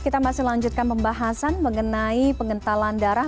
kita masih lanjutkan pembahasan mengenai pengentalan darah